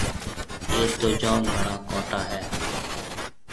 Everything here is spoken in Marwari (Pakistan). ايٿ تو جوم گھڻا ڪونٽا هيَ۔